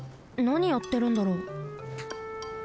なにやってるんだろう。